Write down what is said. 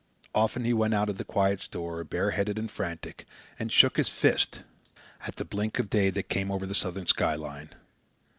Often he went out of the quiet store, bare headed and frantic, and shook his fist at the blink of day that came over the southern sky line.